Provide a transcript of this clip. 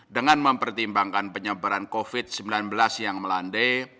dengan mempertimbangkan penyebaran covid sembilan belas yang melandai